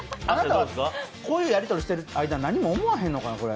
あなたはこういうやり取りをしている間、何も思わんのかな。